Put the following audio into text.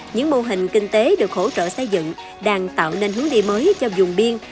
những mô hình kinh tế được hỗ trợ xây dựng đang tạo nên hướng đi mới cho dùng biên